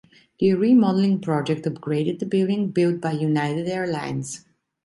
The remodeling project upgraded the building built by United Airlines.